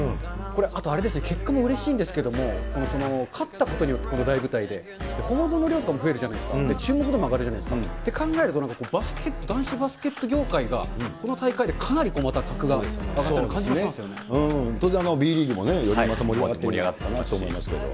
あと、結果もうれしいんですけれども、勝ったことにより、この大舞台で、報道の量とかも増えるじゃないですか、注目度も上がるじゃないですか、考えると、男子バスケット業界がこの大会でかなりまた格が上がったような感当然、Ｂリーグもよりまた盛り上がったなと思いますけど。